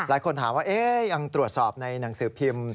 หลายคนถามว่ายังตรวจสอบในหนังสือพิมพ์